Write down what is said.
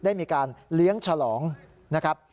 ได้มีการเลี้ยงฉลองนะครับ